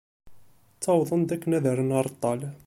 Ttawwḍen-d akken ad rren areṭṭal.